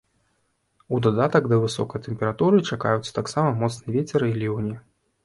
У дадатак да высокай тэмпературы чакаюцца таксама моцны вецер і ліўні.